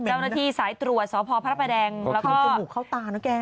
เจ้าหน้าที่ศัยตรวจสอบพ่อพระเบิร์นแดงก็คือข้อตาเนอะแก